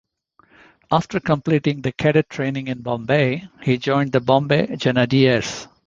After completing the cadet training in Bombay, he joined the Bombay Genadiers.